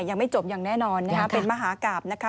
ยังไม่จบอย่างแน่นอนนะคะเป็นมหากราบนะคะ